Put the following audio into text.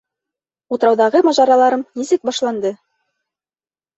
УТРАУҘАҒЫ МАЖАРАЛАРЫМ НИСЕК БАШЛАНДЫ